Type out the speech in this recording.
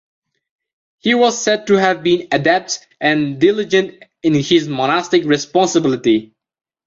He was said to have been adept and diligent in his monastic responsibility.